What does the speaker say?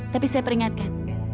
tapi saya peringatkan